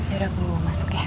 ya udah dulu mau masuk ya